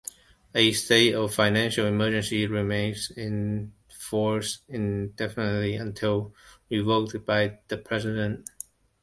A state of financial emergency remains in force indefinitely until revoked by the President.